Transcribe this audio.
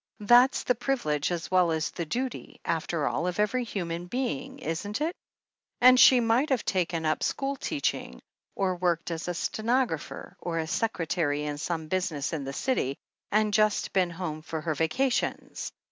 That's the privilege as well as the duty, after all, of every human being, isn't it? And she might have taken up school teaching, or worked as a stenographer or a secretary in some busi ness in the city, and just been home for her vacations.